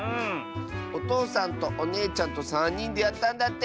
おとうさんとおねえちゃんとさんにんでやったんだって！